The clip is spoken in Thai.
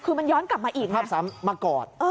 คือมันย้อนกลับมาอีกภาพซ้ำมากอด